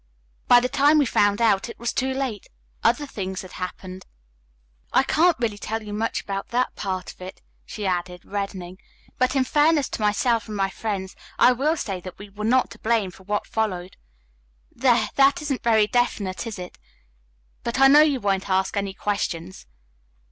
"By the time we found out, it was too late. Other things had happened. I can't really tell you much about that part of it," she added, reddening, "but in fairness to myself and my friends I will say that we were not to blame for what followed. There, that isn't very definite, is it? But I know you won't ask any questions."